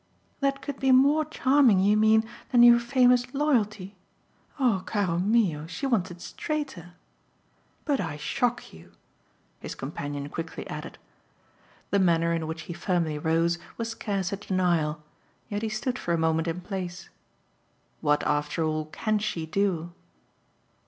"That could be more charming, you mean, than your famous 'loyalty'? Oh, caro mio, she wants it straighter! But I shock you," his companion quickly added. The manner in which he firmly rose was scarce a denial; yet he stood for a moment in place. "What after all can she do?"